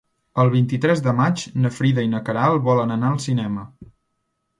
El vint-i-tres de maig na Frida i na Queralt volen anar al cinema.